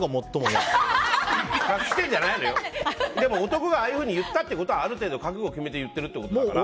でも男がああいうふうに言ったってことはある程度覚悟決めて言ってるってことだから。